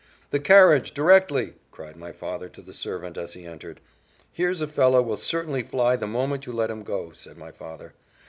"The carriage, directly," cried my father to the servant as he entered. "Here's a fellow will certainly fly the moment you let him go," said my father.